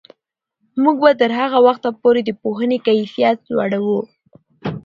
موږ به تر هغه وخته پورې د پوهنې کیفیت لوړوو.